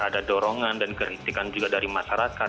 ada dorongan dan kritikan juga dari masyarakat